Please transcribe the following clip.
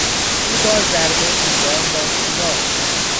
او با ضربه دیوار را سوراخ کرد.